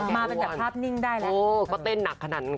มาก่อนหน้านี้ถ้ามันเป็นกับภาพนิ่งแล้ว